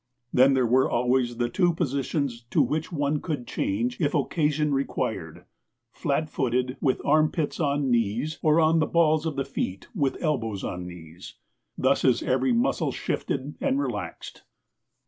Then there were always the two positions to which one could change if occasion required flat footed, with arm pits on knees, or on the balls of the feet with elbows on knees. Thus is every muscle shifted and relaxed.